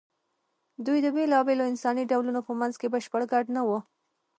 دوی د بېلابېلو انساني ډولونو په منځ کې بشپړ ګډ نه وو.